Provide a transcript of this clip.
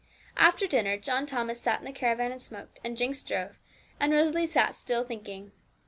After dinner John Thomas sat in the caravan and smoked, and Jinx drove, and Rosalie sat still thinking.